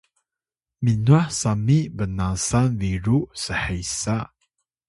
minnwah sami bnasan biru shesa